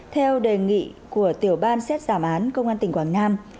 theo đề nghị của tiểu ban xét giảm án công an tỉnh quảng nam